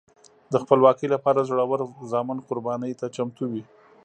د خپلواکۍ لپاره زړور زامن قربانۍ ته چمتو وي.